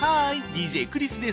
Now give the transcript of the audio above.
ＤＪクリスです。